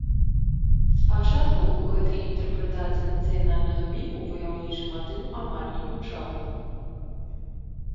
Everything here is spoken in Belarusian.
Спачатку ў гэтай інтэрпрэтацыі нацыянальнага міфу ваяўнічы матыў амаль не гучаў.